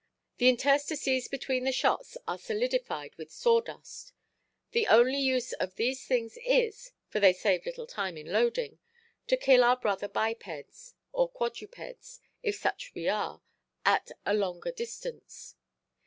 The interstices between the shots are solidified with sawdust. The only use of these things is—for they save little time in loading—to kill our brother bipeds, or quadrupeds, if such we are, at a longer distance.